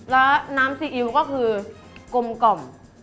แล้วน้ำซีอิ๊วก็คือกลมกล่อม